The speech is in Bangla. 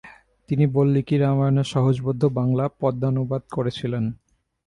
তিনি বাল্মীকি রামায়ণের সহজবোধ্য বাংলা পদ্যানুবাদ করেছিলেন।